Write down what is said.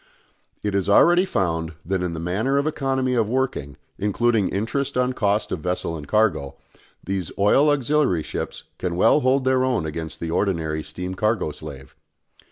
It is already found that in the matter of economy of working, including interest on cost of vessel and cargo, these oil auxiliary ships can well hold their own against the ordinary steam cargo slave.